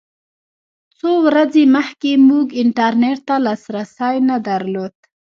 څو ورځې مخکې موږ انټرنېټ ته لاسرسی نه درلود.